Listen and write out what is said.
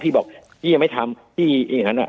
พี่บอกพี่ยังไม่ทำพี่อย่างนั้น